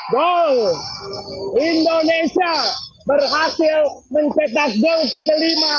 gol indonesia berhasil mencetak gong kelima